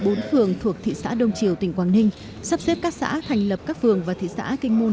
bốn phường thuộc thị xã đông triều tỉnh quảng ninh sắp xếp các xã thành lập các phường và thị xã kinh môn